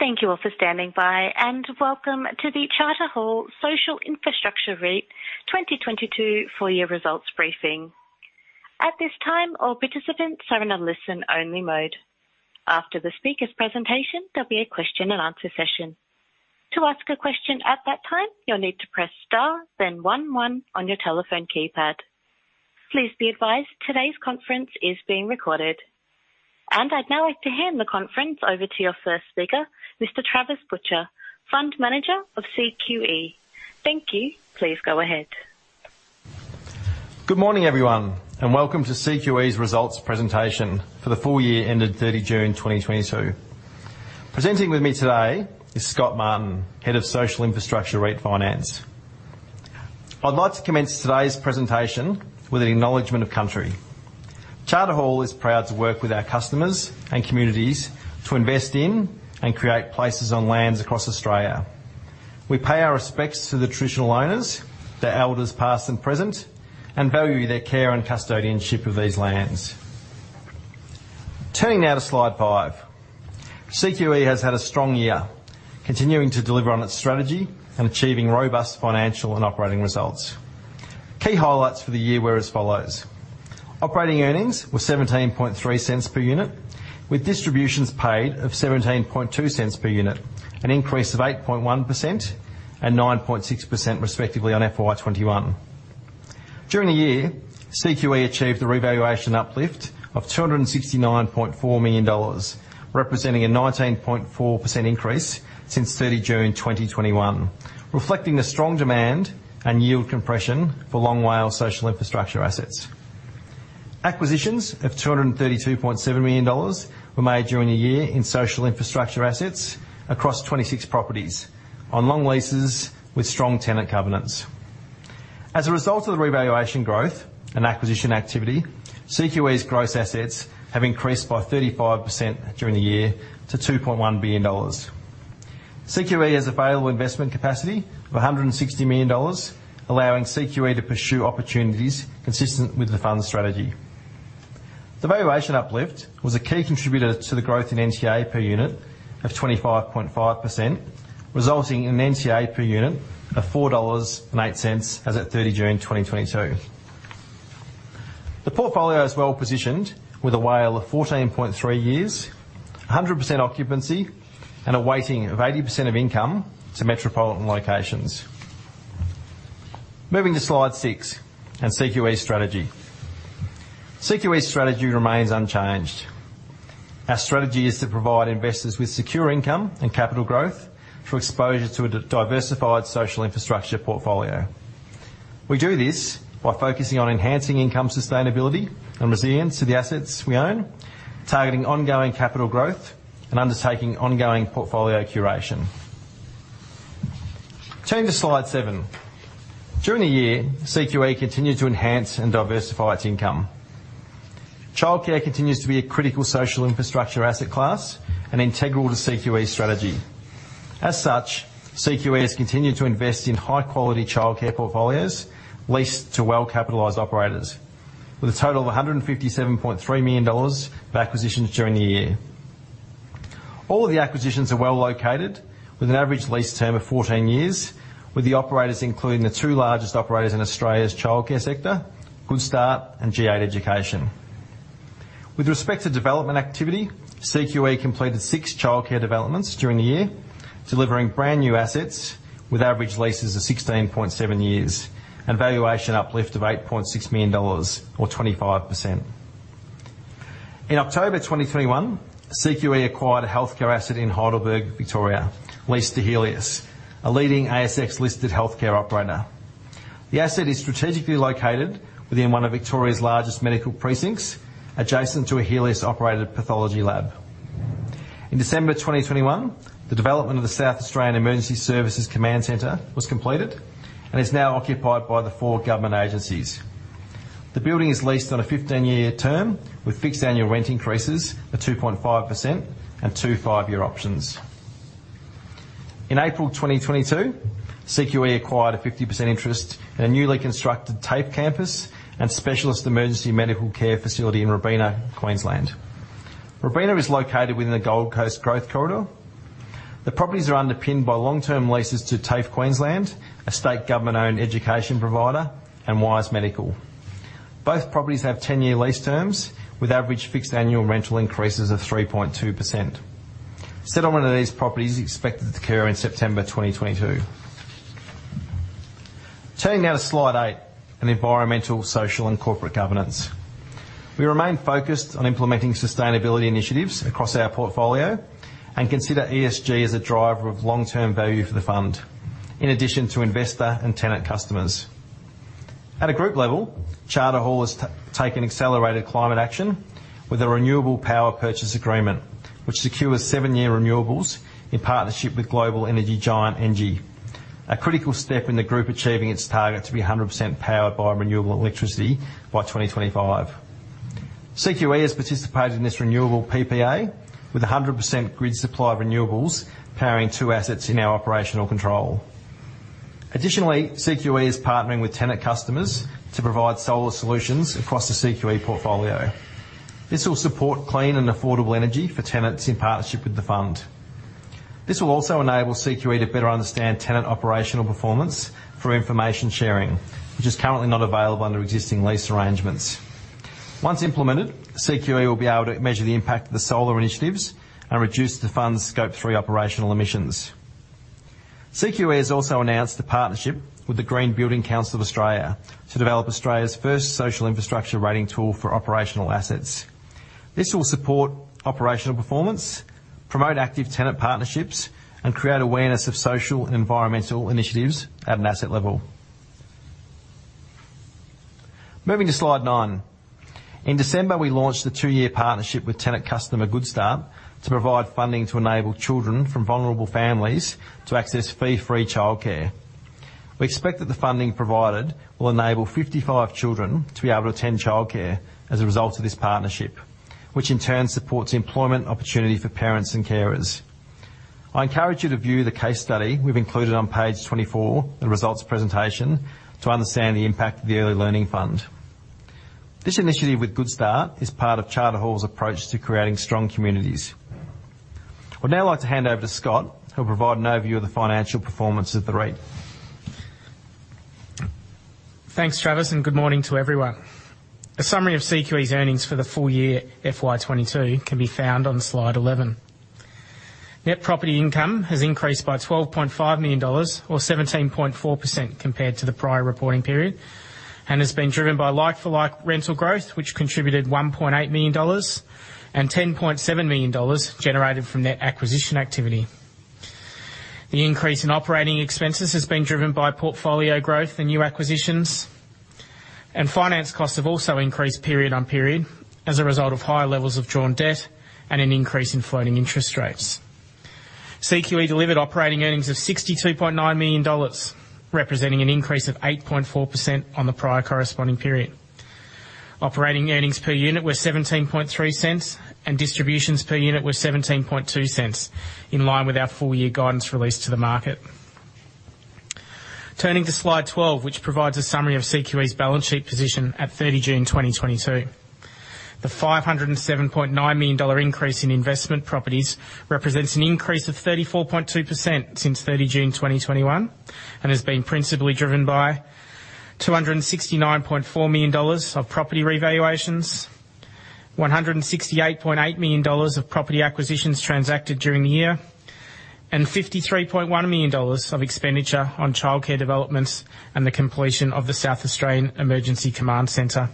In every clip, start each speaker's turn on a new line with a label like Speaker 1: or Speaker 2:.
Speaker 1: Thank you all for standing by, and welcome to the Charter Hall Social Infrastructure REIT 2022 full year results briefing. At this time, all participants are in a listen-only mode. After the speaker's presentation, there'll be a question-and-answer session. To ask a question at that time, you'll need to press Star then one one on your telephone keypad. Please be advised, today's conference is being recorded. I'd now like to hand the conference over to your first speaker, Mr. Travis Butcher, Fund Manager of CQE. Thank you. Please go ahead.
Speaker 2: Good morning, everyone, and welcome to CQE's results presentation for the full year ended 30 June, 2022. Presenting with me today is Scott Martin, Head of Social Infrastructure REIT Finance. I'd like to commence today's presentation with an acknowledgment of country. Charter Hall is proud to work with our customers and communities to invest in and create places on lands across Australia. We pay our respects to the traditional owners, their elders past and present, and value their care and custodianship of these lands. Turning now to slide 5. CQE has had a strong year, continuing to deliver on its strategy and achieving robust financial and operating results. Key highlights for the year were as follows: Operating earnings were 0.173 per unit, with distributions paid of 0.172 per unit, an increase of 8.1% and 9.6%, respectively, on FY 2021. During the year, CQE achieved a revaluation uplift of 269.4 million dollars, representing a 19.4% increase since 30 June 2021, reflecting the strong demand and yield compression for long WALE social infrastructure assets. Acquisitions of 232.7 million dollars were made during the year in social infrastructure assets across 26 properties on long leases with strong tenant covenants. As a result of the revaluation growth and acquisition activity, CQE's gross assets have increased by 35% during the year to 2.1 billion dollars. CQE has available investment capacity of 160 million dollars, allowing CQE to pursue opportunities consistent with the fund's strategy. The valuation uplift was a key contributor to the growth in NTA per unit of 25.5%, resulting in an NTA per unit of 4.08 dollars as at 30 June, 2022. The portfolio is well positioned with a WALE of 14.3 years, 100% occupancy and a weighting of 80% of income to metropolitan locations. Moving to slide 6 and CQE's strategy. CQE's strategy remains unchanged. Our strategy is to provide investors with secure income and capital growth through exposure to a diversified social infrastructure portfolio. We do this by focusing on enhancing income sustainability and resilience to the assets we own, targeting ongoing capital growth and undertaking ongoing portfolio curation. Turning to slide 7. During the year, CQE continued to enhance and diversify its income. Childcare continues to be a critical social infrastructure asset class and integral to CQE's strategy. As such, CQE has continued to invest in high quality childcare portfolios leased to well-capitalized operators with a total of 157.3 million dollars of acquisitions during the year. All of the acquisitions are well located with an average lease term of 14 years, with the operators including the two largest operators in Australia's childcare sector, Goodstart and G8 Education. With respect to development activity, CQE completed six childcare developments during the year, delivering brand new assets with average leases of 16.7 years and valuation uplift of 8.6 million dollars or 25%. In October 2021, CQE acquired a healthcare asset in Heidelberg, Victoria, leased to Healius, a leading ASX-listed healthcare operator. The asset is strategically located within one of Victoria's largest medical precincts, adjacent to a Healius-operated pathology lab. In December 2021, the development of the South Australian Emergency Services Command Center was completed and is now occupied by the four government agencies. The building is leased on a 15-year term with fixed annual rent increases of 2.5% and two 5-year options. In April 2022, CQE acquired a 50% interest in a newly constructed TAFE campus and specialist emergency medical care facility in Robina, Queensland. Robina is located within the Gold Coast growth corridor. The properties are underpinned by long-term leases to TAFE Queensland, a state government-owned education provider, and Wise Medical. Both properties have 10-year lease terms with average fixed annual rental increases of 3.2%. Settlement of these properties is expected to occur in September 2022. Turning now to slide 8 on environmental, social, and corporate governance. We remain focused on implementing sustainability initiatives across our portfolio and consider ESG as a driver of long-term value for the fund, in addition to investor and tenant customers. At a group level, Charter Hall has taken accelerated climate action with a renewable power purchase agreement, which secures seven-year renewables in partnership with global energy giant ENGIE. A critical step in the group achieving its target to be 100% powered by renewable electricity by 2025. CQE has participated in this renewable PPA with 100% grid supply of renewables powering two assets in our operational control. Additionally, CQE is partnering with tenant customers to provide solar solutions across the CQE portfolio. This will support clean and affordable energy for tenants in partnership with the fund. This will also enable CQE to better understand tenant operational performance through information sharing, which is currently not available under existing lease arrangements. Once implemented, CQE will be able to measure the impact of the solar initiatives and reduce the fund's Scope 3 operational emissions. CQE has also announced a partnership with the Green Building Council of Australia to develop Australia's first social infrastructure rating tool for operational assets. This will support operational performance, promote active tenant partnerships, and create awareness of social and environmental initiatives at an asset level. Moving to slide 9. In December, we launched a two-year partnership with tenant customer, Goodstart, to provide funding to enable children from vulnerable families to access fee-free childcare. We expect that the funding provided will enable 55 children to be able to attend childcare as a result of this partnership, which in turn supports employment opportunity for parents and carers. I encourage you to view the case study we've included on page 24, the results presentation, to understand the impact of the early learning fund. This initiative with Goodstart is part of Charter Hall's approach to creating strong communities. I'd now like to hand over to Scott, who'll provide an overview of the financial performance of the REIT.
Speaker 3: Thanks, Travis, and good morning to everyone. A summary of CQE's earnings for the full year FY 2022 can be found on slide 11. Net property income has increased by 12.5 million dollars or 17.4% compared to the prior reporting period, and has been driven by like-for-like rental growth, which contributed 1.8 million dollars and 10.7 million dollars generated from net acquisition activity. The increase in operating expenses has been driven by portfolio growth and new acquisitions, and finance costs have also increased period-on-period as a result of higher levels of drawn debt and an increase in floating interest rates. CQE delivered operating earnings of AUD 62.9 million, representing an increase of 8.4% on the prior corresponding period. Operating earnings per unit were 0.173, and distributions per unit were 0.172, in line with our full year guidance released to the market. Turning to slide 12, which provides a summary of CQE's balance sheet position at 30 June, 2022. The 507.9 million dollar increase in investment properties represents an increase of 34.2% since 30 June, 2021, and has been principally driven by 269.4 million dollars of property revaluations, 168.8 million dollars of property acquisitions transacted during the year, and 53.1 million dollars of expenditure on childcare developments and the completion of the South Australian Emergency Command Center.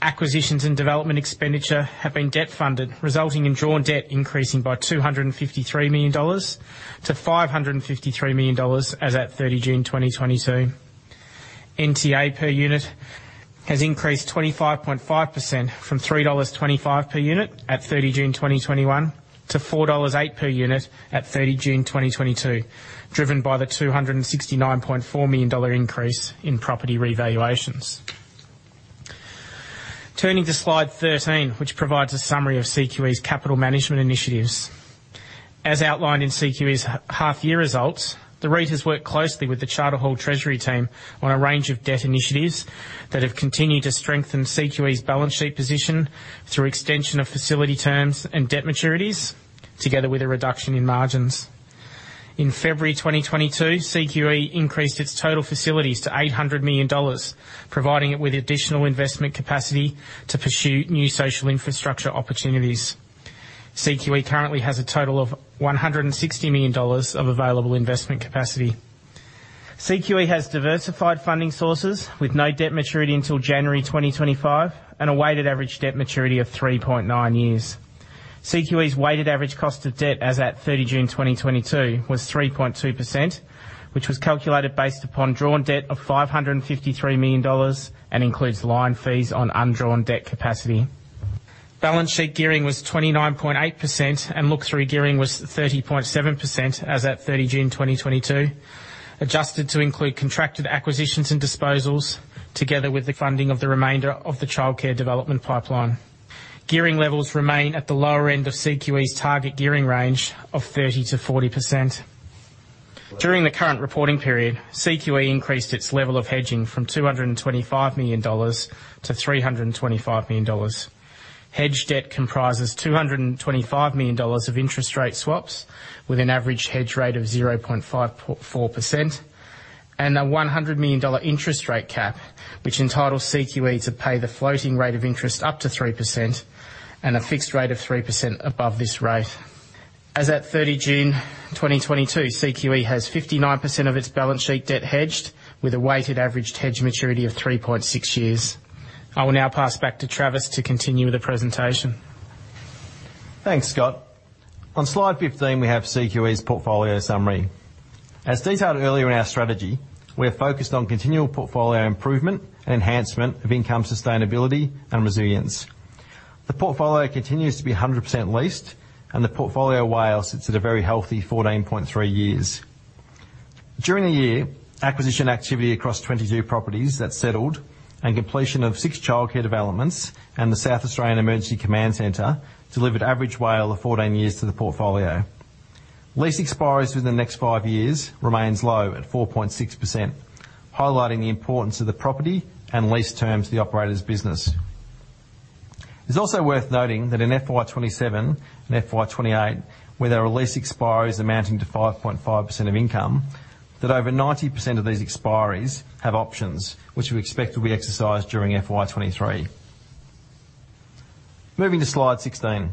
Speaker 3: Acquisitions and development expenditure have been debt-funded, resulting in drawn debt increasing by 253 million dollars to 553 million dollars as at 30 June 2022. NTA per unit has increased 25.5% from 3.25 dollars per unit at 30 June, 2021 to 4.08 dollars per unit at 30 June 2022, driven by the 269.4 million dollar increase in property revaluations. Turning to slide 13, which provides a summary of CQE's capital management initiatives. As outlined in CQE's half year results, the REIT has worked closely with the Charter Hall Treasury team on a range of debt initiatives that have continued to strengthen CQE's balance sheet position through extension of facility terms and debt maturities, together with a reduction in margins. In February 2022, CQE increased its total facilities to AUD 800 million, providing it with additional investment capacity to pursue new social infrastructure opportunities. CQE currently has a total of 160 million dollars of available investment capacity. CQE has diversified funding sources with no debt maturity until January 2025 and a weighted average debt maturity of 3.9 years. CQE's weighted average cost of debt as at 30 June, 2022 was 3.2%, which was calculated based upon drawn debt of 553 million dollars and includes line fees on undrawn debt capacity. Balance sheet gearing was 29.8%, and look-through gearing was 30.7% as at 30 June, 2022, adjusted to include contracted acquisitions and disposals, together with the funding of the remainder of the childcare development pipeline. Gearing levels remain at the lower end of CQE's target gearing range of 30%-40%. During the current reporting period, CQE increased its level of hedging from 225 million dollars to 325 million dollars. Hedged debt comprises 225 million dollars of interest rate swaps with an average hedge rate of 0.54% and a 100 million dollar interest rate cap, which entitles CQE to pay the floating rate of interest up to 3% and a fixed rate of 3% above this rate. As at 30 June, 2022, CQE has 59% of its balance sheet debt hedged with a weighted average hedge maturity of 3.6 years. I will now pass back to Travis to continue the presentation.
Speaker 2: Thanks, Scott. On slide 15, we have CQE's portfolio summary. As detailed earlier in our strategy, we are focused on continual portfolio improvement and enhancement of income sustainability and resilience. The portfolio continues to be 100% leased, and the portfolio WALE sits at a very healthy 14.3 years. During the year, acquisition activity across 22 properties that settled and completion of six childcare developments and the South Australian Emergency Command Center delivered average WALE of 14 years to the portfolio. Lease expires within the next five years remains low at 4.6%, highlighting the importance of the property and lease terms to the operator's business. It's also worth noting that in FY 2027 and FY 2028, where there are lease expiries amounting to 5.5% of income, that over 90% of these expiries have options which we expect will be exercised during FY 2023. Moving to slide 16.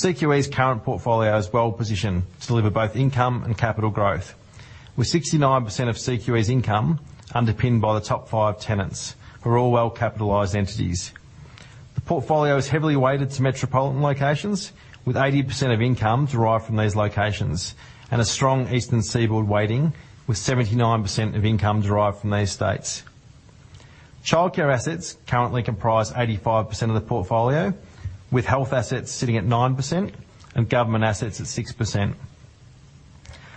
Speaker 2: CQE's current portfolio is well positioned to deliver both income and capital growth, with 69% of CQE's income underpinned by the top five tenants who are all well capitalized entities. The portfolio is heavily weighted to metropolitan locations, with 80% of income derived from these locations, and a strong eastern seaboard weighting, with 79% of income derived from these states. Childcare assets currently comprise 85% of the portfolio, with health assets sitting at 9% and government assets at 6%.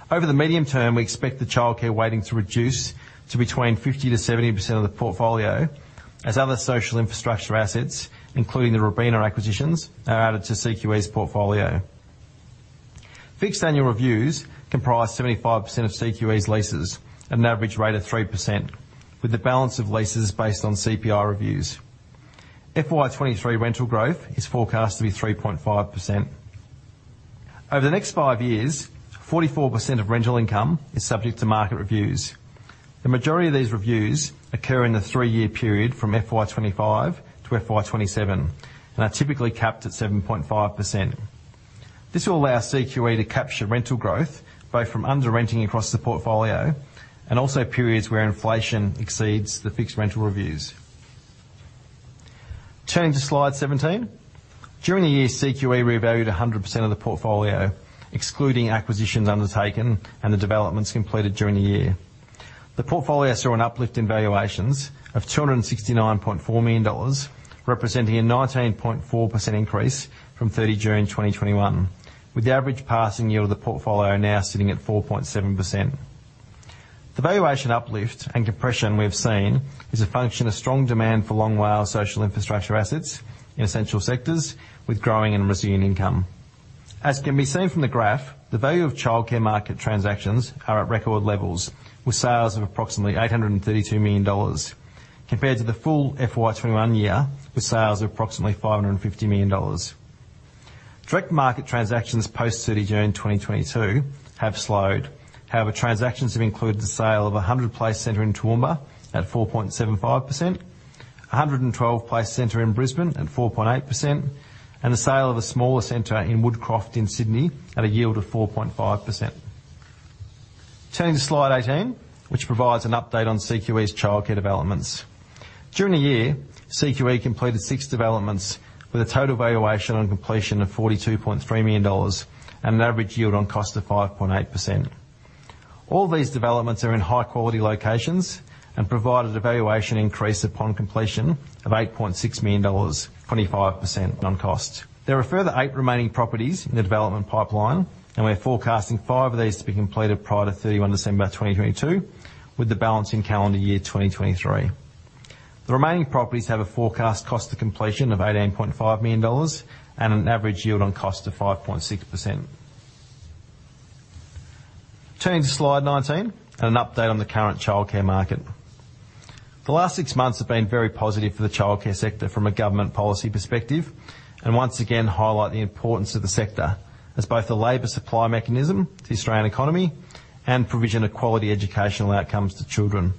Speaker 2: Over the medium term, we expect the childcare weighting to reduce to between 50%-70% of the portfolio as other social infrastructure assets, including the Robina acquisitions, are added to CQE's portfolio. Fixed annual reviews comprise 75% of CQE's leases at an average rate of 3%, with the balance of leases based on CPI reviews. FY 2023 rental growth is forecast to be 3.5%. Over the next five years, 44% of rental income is subject to market reviews. The majority of these reviews occur in the three-year period from FY 2025 to FY 2027, and are typically capped at 7.5%. This will allow CQE to capture rental growth, both from under renting across the portfolio and also periods where inflation exceeds the fixed rental reviews. Turning to slide 17. During the year, CQE revalued 100% of the portfolio, excluding acquisitions undertaken and the developments completed during the year. The portfolio saw an uplift in valuations of AUD 269.4 million, representing a 19.4% increase from 30 June, 2021, with the average passing yield of the portfolio now sitting at 4.7%. The valuation uplift and compression we've seen is a function of strong demand for long WALE social infrastructure assets in essential sectors with growing and resilient income. As can be seen from the graph, the value of childcare market transactions are at record levels, with sales of approximately 832 million dollars compared to the full FY 2021 year, with sales of approximately 550 million dollars. Direct market transactions post 30 June, 2022 have slowed. However, transactions have included the sale of a 100-place center in Toowoomba at 4.75%, a 112-place center in Brisbane at 4.8%, and the sale of a smaller center in Woodcroft in Sydney at a yield of 4.5%. Turning to slide 18, which provides an update on CQE's childcare developments. During the year, CQE completed six developments with a total valuation on completion of AUD 42.3 million and an average yield on cost of 5.8%. All these developments are in high quality locations and provided a valuation increase upon completion of 8.6 million dollars, 25% on cost. There are a further eight remaining properties in the development pipeline, and we are forecasting 5 of these to be completed prior to 31 December, 2022, with the balance in calendar year 2023. The remaining properties have a forecast cost to completion of 18.5 million dollars and an average yield on cost of 5.6%. Turning to slide 19, an update on the current childcare market. The last six months have been very positive for the childcare sector from a government policy perspective, and once again highlight the importance of the sector as both the labor supply mechanism to the Australian economy and provision of quality educational outcomes to children.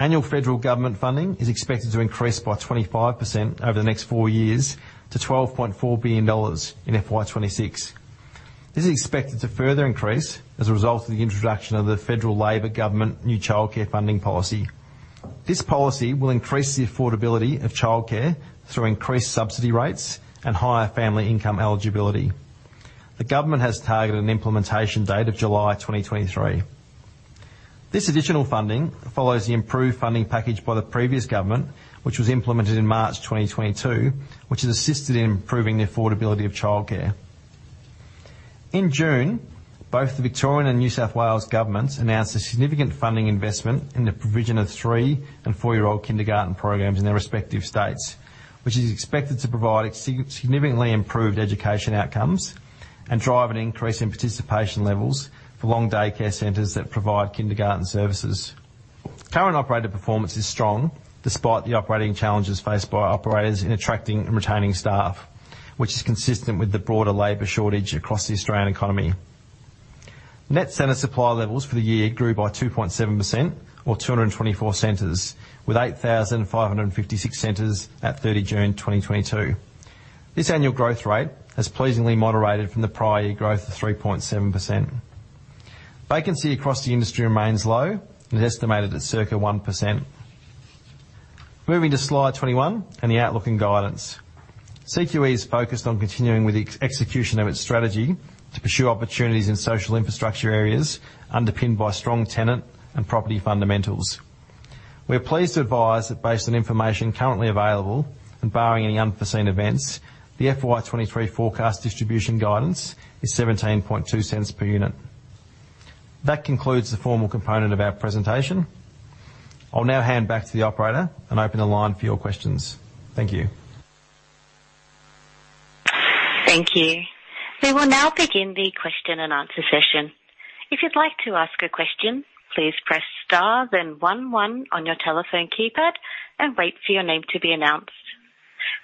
Speaker 2: Annual federal government funding is expected to increase by 25% over the next four years to 12.4 billion dollars in FY 2026. This is expected to further increase as a result of the introduction of the federal Labor government new childcare funding policy. This policy will increase the affordability of childcare through increased subsidy rates and higher family income eligibility. The government has targeted an implementation date of July 2023. This additional funding follows the improved funding package by the previous government, which was implemented in March 2022, which has assisted in improving the affordability of childcare. In June, both the Victorian and New South Wales governments announced a significant funding investment in the provision of three and four-year-old kindergarten programs in their respective states, which is expected to provide significantly improved education outcomes and drive an increase in participation levels for long daycare centers that provide kindergarten services. Current operator performance is strong despite the operating challenges faced by operators in attracting and retaining staff, which is consistent with the broader labor shortage across the Australian economy. Net center supply levels for the year grew by 2.7% or 224 centers with 8,556 centers at 30 June, 2022. This annual growth rate has pleasingly moderated from the prior year growth of 3.7%. Vacancy across the industry remains low and is estimated at circa 1%. Moving to slide 21 and the outlook and guidance. CQE is focused on continuing with the execution of its strategy to pursue opportunities in social infrastructure areas underpinned by strong tenant and property fundamentals. We are pleased to advise that based on information currently available and barring any unforeseen events, the FY 2023 forecast distribution guidance is 0.172 per unit. That concludes the formal component of our presentation. I'll now hand back to the operator and open the line for your questions. Thank you.
Speaker 1: Thank you. We will now begin the question-and-answer session. If you'd like to ask a question, please press star then one on your telephone keypad and wait for your name to be announced.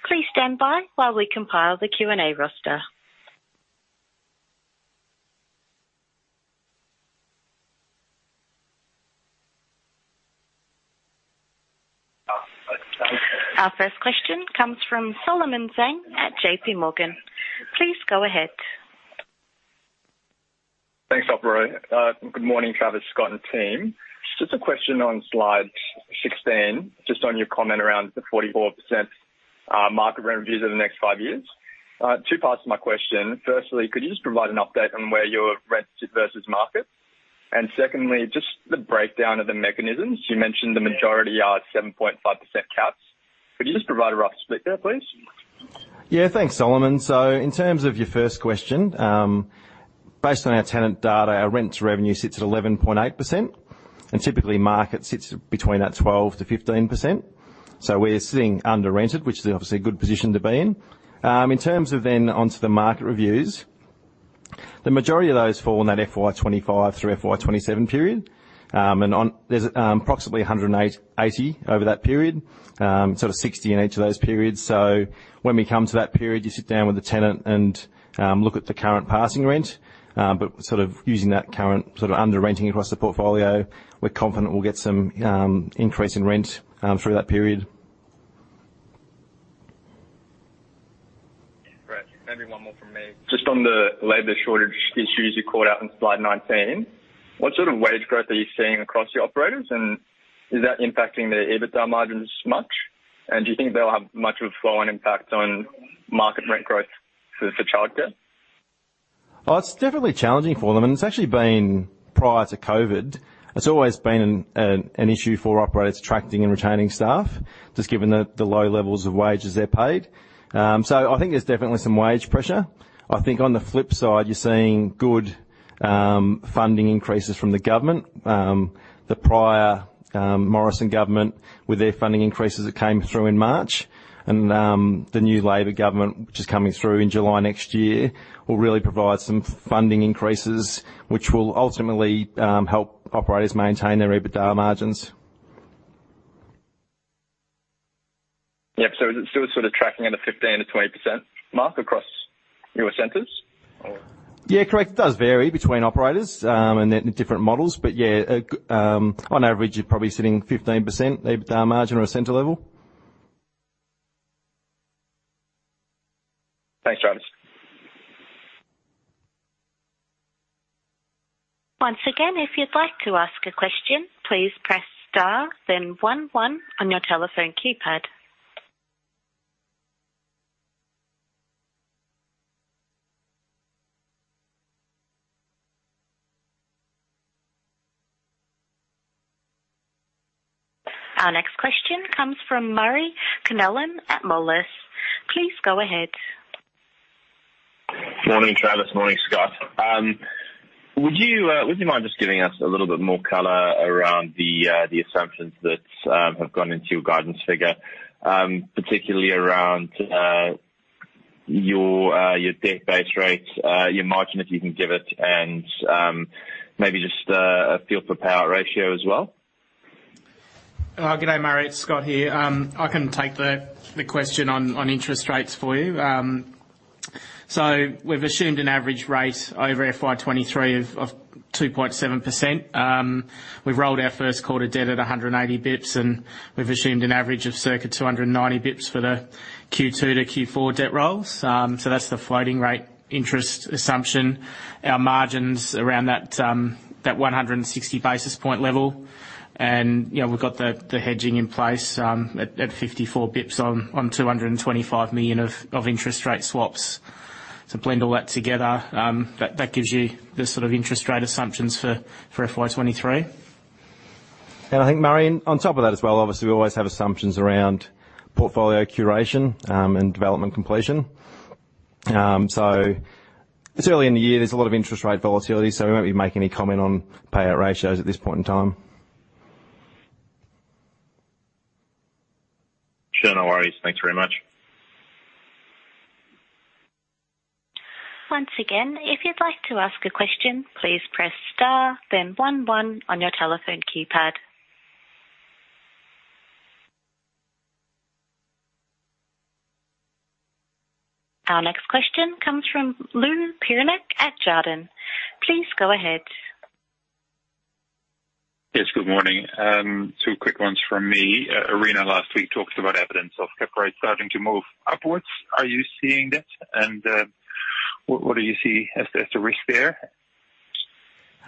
Speaker 1: Please stand by while we compile the Q&A roster. Our first question comes from Solomon Zhang at J.P. Morgan. Please go ahead.
Speaker 4: Thanks, operator. Good morning, Travis, Scott, and team. Just a question on slide 16, just on your comment around the 44%, market rent reviews over the next five years. Two parts to my question. Firstly, could you just provide an update on where your rent versus market? Secondly, just the breakdown of the mechanisms. You mentioned the majority are at 7.5% caps. Could you just provide a rough split there, please?
Speaker 2: Yeah. Thanks, Solomon. In terms of your first question, based on our tenant data, our rent revenue sits at 11.8%, and typically, market sits between that 12%-15%. We're sitting under rented, which is obviously a good position to be in. In terms of then onto the market reviews, the majority of those fall in that FY 2025 through FY 2027 period. There's approximately a hundred and eighty over that period. Sort of 60 in each of those periods. When we come to that period, you sit down with the tenant and look at the current passing rent. But sort of using that current sort of under renting across the portfolio, we're confident we'll get some increase in rent through that period.
Speaker 4: Great. Maybe one more from me. Just on the labor shortage issues you called out on slide 19. What sort of wage growth are you seeing across the operators, and is that impacting the EBITDA margins much? Do you think they'll have much of a flow-on impact on market rent growth for childcare?
Speaker 2: Well, it's definitely challenging for them, and it's actually been prior to COVID. It's always been an issue for operators attracting and retaining staff, just given the low levels of wages they're paid. So I think there's definitely some wage pressure. I think on the flip side, you're seeing good funding increases from the government. The prior Morrison government with their funding increases that came through in March and the new Labor government, which is coming through in July next year, will really provide some funding increases, which will ultimately help operators maintain their EBITDA margins.
Speaker 4: Yep. It's still sort of tracking at a 15%-20% mark across your centers or?
Speaker 2: Yeah, correct. It does vary between operators and their different models. Yeah, on average, you're probably sitting 15% EBITDA margin or a center level.
Speaker 4: Thanks, Travis.
Speaker 1: Once again, if you'd like to ask a question, please press star then one on your telephone keypad. Our next question comes from Murray Connellan at Moelis. Please go ahead.
Speaker 5: Morning, Travis. Morning, Scott. Would you mind just giving us a little bit more color around the assumptions that have gone into your guidance figure, particularly around your debt base rates, your margin, if you can give it, and maybe just a feel for payout ratio as well?
Speaker 3: Good day, Murray. It's Scott here. I can take the question on interest rates for you. We've assumed an average rate over FY 2023 of 2.7%. We've rolled our first quarter debt at 180 basis points, and we've assumed an average of circa 290 basis points for the Q2 to Q4 debt rolls. That's the floating rate interest assumption. Our margins around that 160 basis points level. You know, we've got the hedging in place at 54 basis points on 225 million of interest rate swaps. To blend all that together, that gives you the sort of interest rate assumptions for FY 2023.
Speaker 2: I think, Murray, on top of that as well, obviously we always have assumptions around portfolio curation, and development completion. It's early in the year. There's a lot of interest rate volatility, so we won't be making any comment on payout ratios at this point in time.
Speaker 5: Sure. No worries. Thanks very much.
Speaker 1: Once again, if you'd like to ask a question, please press star then one on your telephone keypad. Our next question comes from Lou Pirenc at Jarden. Please go ahead.
Speaker 6: Yes, good morning. Two quick ones from me. Arena last week talked about evidence of cap rates starting to move upwards. Are you seeing that? What do you see as the risk there?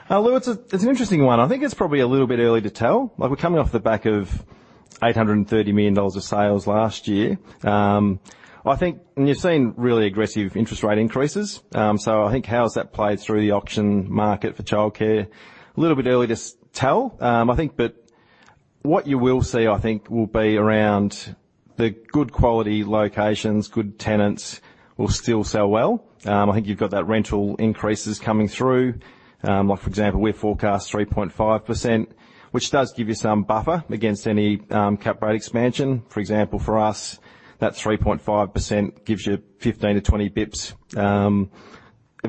Speaker 2: Lou, it's an interesting one. I think it's probably a little bit early to tell. Like, we're coming off the back of 830 million dollars of sales last year. I think you've seen really aggressive interest rate increases. I think how has that played through the auction market for childcare? A little bit early to tell, I think. But what you will see, I think, will be around the good quality locations. Good tenants will still sell well. I think you've got that rental increases coming through. Like for example, we forecast 3.5%, which does give you some buffer against any cap rate expansion. For example, for us, that 3.5% gives you 15-20 basis points of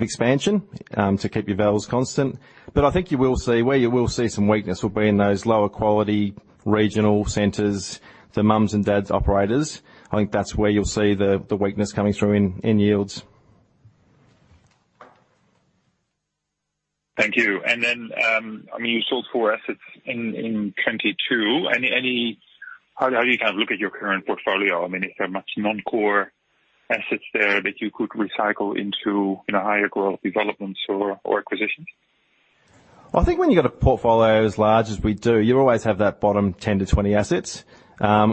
Speaker 2: expansion to keep your yields constant. I think you will see, where you will see some weakness will be in those lower quality regional centers, the mom-and-pop operators. I think that's where you'll see the weakness coming through in yields.
Speaker 6: Thank you. I mean, you sold four assets in 2022. How do you kind of look at your current portfolio? I mean, is there much non-core assets there that you could recycle into, you know, higher growth developments or acquisitions?
Speaker 2: I think when you've got a portfolio as large as we do, you always have that bottom 10-20 assets.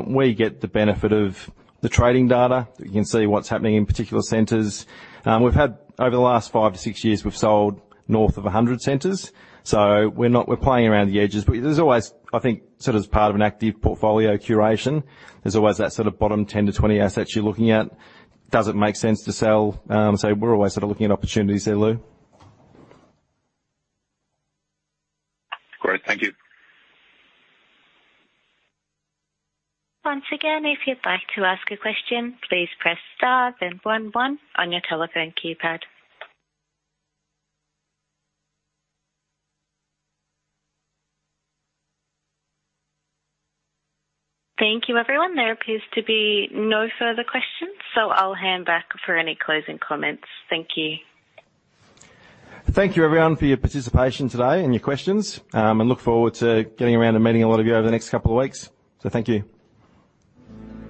Speaker 2: We get the benefit of the trading data. You can see what's happening in particular centers. We've had, over the last five-six years, we've sold north of 100 centers, so we're playing around the edges. There's always, I think, sort of part of an active portfolio curation. There's always that sort of bottom 10-20 assets you're looking at. Does it make sense to sell? We're always sort of looking at opportunities there, Lou.
Speaker 6: Great. Thank you.
Speaker 1: Once again, if you'd like to ask a question, please press star then one on your telephone keypad. Thank you, everyone. There appears to be no further questions, so I'll hand back for any closing comments. Thank you.
Speaker 2: Thank you, everyone, for your participation today and your questions. Look forward to getting around and meeting a lot of you over the next couple of weeks. Thank you.